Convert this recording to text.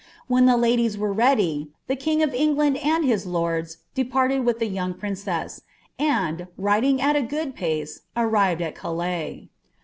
When the ladiec ware tmtf, ihe king of England and his lords departed with the yooi^ phtwM; and, riding at a good pace, arrifed at Culaii.